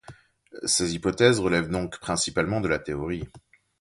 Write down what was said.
Ces hypothèses relèvent donc principalement de la théorie.